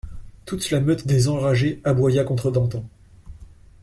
Toute la meute des enragés aboya contre Danton.